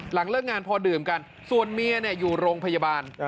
เลิกงานพอดื่มกันส่วนเมียอยู่โรงพยาบาล